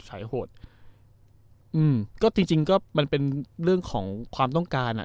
หายโหดอืมก็จริงจริงก็มันเป็นเรื่องของความต้องการอ่ะ